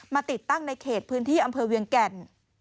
ติดตั้งในเขตพื้นที่อำเภอเวียงแก่น